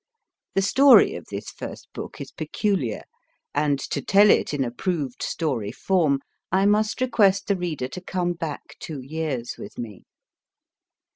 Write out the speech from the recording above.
The story of this first book is peculiar ; and, to tell it in approved story form, I must request the reader to come back two years with me.